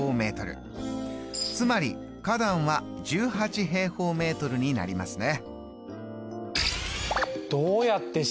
つまり花壇は１８になりますね。